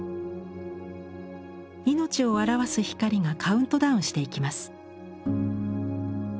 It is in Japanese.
命を表す光がカウントダウンしていきます。